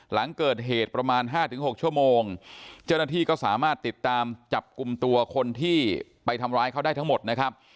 หลังเกิดเหตุประมาณ๕๖ชั่วโมงเจ้าหน้าที่ก็สามารถติดตามจับกลุ่มตัวคนที่ไปทำร้ายเขาได้ทั้งหมดนะครับ